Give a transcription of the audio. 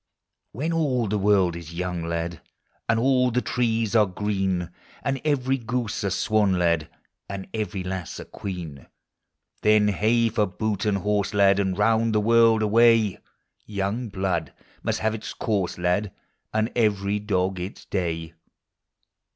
When all the world is young, lad, And all the trees are green; And every goose a swan, lad, And every lass a queen ; Digitized by Google YOUTH 231 Then hey for boot and horse, lad, And round the world away; Young blood must have its course, lad, And every dog his day.